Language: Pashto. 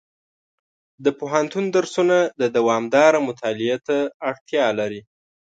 د پوهنتون درسونه د دوامداره مطالعې اړتیا لري.